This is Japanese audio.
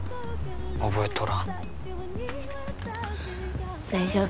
覚えとらん大丈夫？